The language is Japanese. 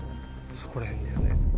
そこら辺だよね。